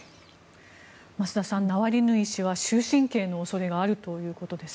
増田さん、ナワリヌイ氏は終身刑の恐れがあるということです。